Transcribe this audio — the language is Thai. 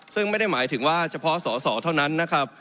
ซึ่งไม่ได้หมายถึงว่าเฉพาะสอสอเท่านั้นนะครับ